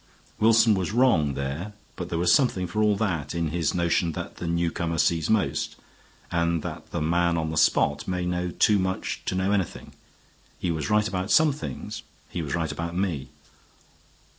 Wilson was wrong there; but there was something, for all that, in his notion that the newcomer sees most, and that the man on the spot may know too much to know anything. He was right about some things. He was right about me."